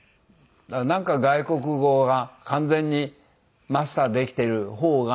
なんか外国語が完全にマスターできてる方が。